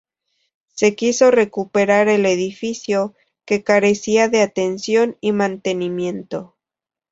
Se quiso recuperar el edificio, que carecía de atención y mantenimiento.